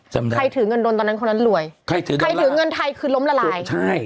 ใครถือเงินดนตอนนั้นคนนั้นรวยใครถือใครถือเงินไทยคือล้มละลายใช่